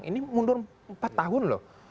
ini mundur empat tahun loh